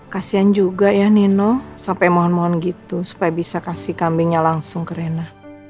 kasian juga ya nino sampai mohon mohon gitu supaya bisa kasih kambingnya langsung ke rena